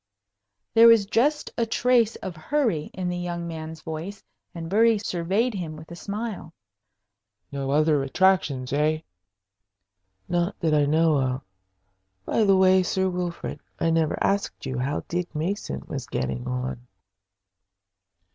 There was just a trace of hurry in the young man's voice, and Bury surveyed him with a smile. "No other attractions, eh?" "Not that I know of. By the way, Sir Wilfrid, I never asked you how Dick Mason was getting on?"